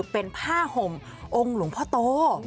เป็นผ้าห่มองค์หลวงพ่อโต